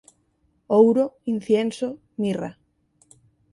Ouro, incienso, mirra.